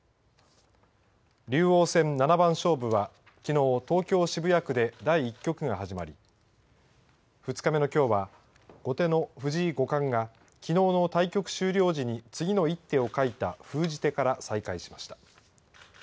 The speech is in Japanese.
「竜王戦」七番勝負はきのう、東京・渋谷区で第１局が始まり２日目のきょうは後手の藤井五冠がきのうの対局終了時に次の一手を書いた「封じ手」から再開しました。